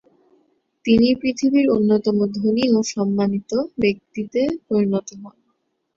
তিনি পৃথিবীর অন্যতম ধনী ও সম্মানিত ব্যক্তিত্বে পরিণত হন।